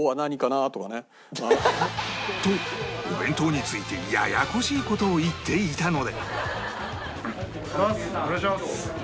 とお弁当についてややこしい事を言っていたので